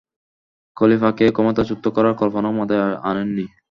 খলিফাকে ক্ষমতাচ্যুত করার কল্পনাও মাথায় আনেননি।